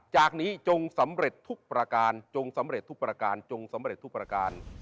จากนี้จงสำเร็จทุกประการจงสำเร็จทุกประการจงสำเร็จทุกประการ